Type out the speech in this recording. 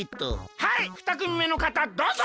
はいふたくみめのかたどうぞ！